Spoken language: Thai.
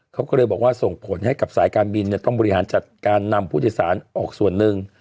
เขาก็เลยบอกว่าส่งผลให้กับสายการบินต้องบริหารจัดการนำผู้โดยสารออกส่วนหนึ่ง